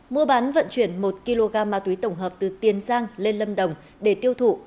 mua bán vận chuyển một kg ma túy tổng hợp từ tiền giang lên lâm đồng để tiêu thụ